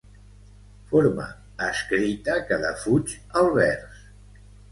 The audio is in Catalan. Forma escrita que defuig el vers.